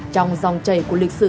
trong dòng chảy của lịch sử